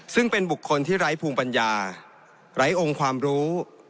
ซึ่งเป็นบุคคลที่ไร้ภูมิปัญญาไร้องค์ความรู้